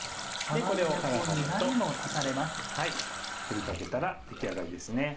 これをハラハラと振りかけたら出来上がりですね。